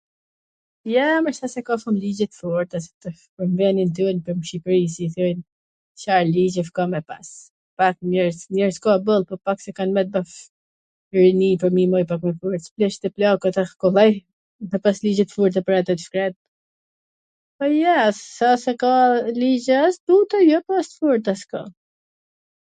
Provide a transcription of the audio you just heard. Jo, mo, s a se ka shum ligje t forta tash, n venin ton n Shqipri si thojn, Car ligjesh ka me pas, pak njerz, njerz ka boll, po pak se kan mbet pa rini, tw ndihmoj ... pleqt e plakat asht kollaj me pas ligje t forta pwr ata t shkret, po, jo, s asht se ka ligje as t buta, jo, po as t forta s ka.